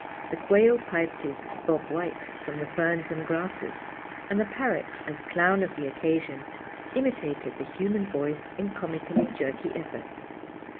The quail piped his "Bob White" from the ferns and grasses; and the parrot—as clown of the occasion—imitated the human voice in comically jerky efforts.